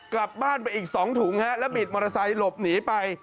กลับบ้านไปอีก๒ถุงฮะแล้วบิดมอเตอร์ไซค์หลบหนีไป